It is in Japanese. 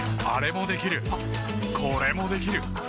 あれもできるこれもできる。